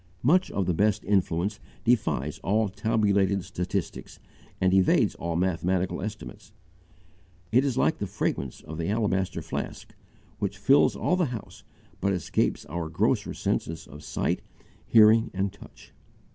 Much of the best influence defies all tabulated statistics and evades all mathematical estimates; it is like the fragrance of the alabaster flask which fills all the house but escapes our grosser senses of sight, hearing, and touch.